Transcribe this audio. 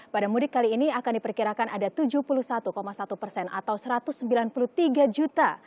pada mudik kali ini akan diperkirakan ada tujuh puluh satu satu persen atau satu ratus sembilan puluh tiga juta